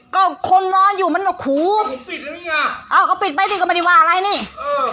ก็คนนอนอยู่เหมือนกับขูเอ้าก็ปิดไปดิก็ไม่ได้ว่าอะไรนี่เออ